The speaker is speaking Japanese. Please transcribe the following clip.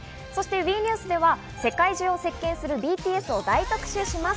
ＷＥニュースでは世界中を席巻するＢＴＳを大特集します。